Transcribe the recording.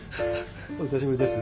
お久しぶりです。